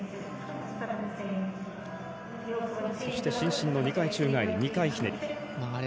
そして伸身の２回宙返り２回ひねり。